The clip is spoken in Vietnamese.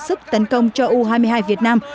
sức tấn công cho u hai mươi hai việt nam